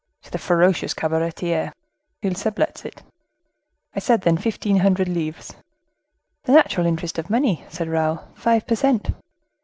"To the ferocious cabaretier, who sub lets it. I said, then, fifteen hundred livres." "The natural interest of money," said Raoul,—"five per cent."